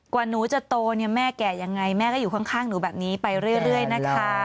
กว่าหนูจะโตเนี่ยแม่แก่ยังไงแม่ก็อยู่ข้างหนูแบบนี้ไปเรื่อยนะคะ